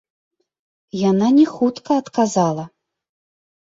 Яна не хутка адказала.